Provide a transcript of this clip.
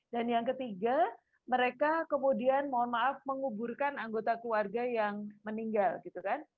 dan yang ketiga mereka kemudian mohon maaf menguburkan anggota keluarga yang meninggal gitu kan